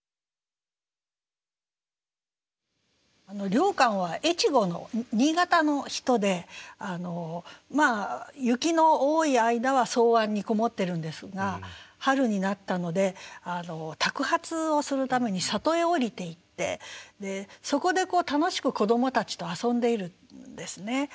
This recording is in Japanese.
良寛は越後の新潟の人で雪の多い間は草庵に籠もってるんですが春になったので托鉢をするために里へ下りていってそこで楽しく子どもたちと遊んでいるんですね。